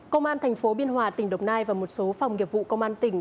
công an thành phố biên hòa tỉnh đồng nai và một số phòng nghiệp vụ công an tỉnh